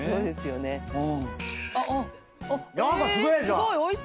すごい！